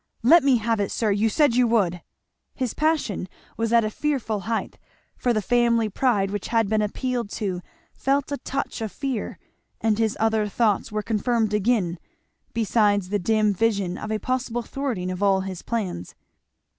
Let me have it, sir! you said you would " His passion was at a fearful height, for the family pride which had been appealed to felt a touch of fear, and his other thoughts were confirmed again, besides the dim vision of a possible thwarting of all his plans.